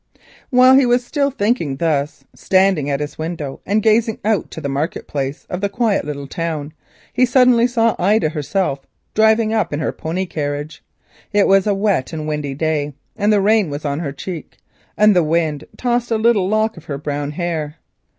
While he was still thinking thus, standing at his window and gazing out on to the market place of the quiet little town, he suddenly saw Ida herself driving in her pony carriage. It was a wet and windy day, the rain was on her cheek, and the wind tossed a little lock of her brown hair.